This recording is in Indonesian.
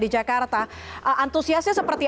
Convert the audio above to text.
di jakarta antusiasnya seperti